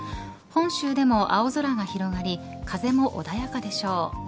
本州でも青空が広がり風も穏やかでしょう。